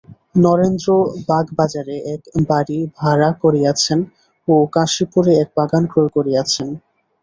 নরেন্দ্র বাগবাজারে এক বাড়ি ভাড়া করিয়াছেন ও কাশীপুরে এক বাগান ক্রয় করিয়াছেন।